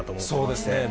そうですね。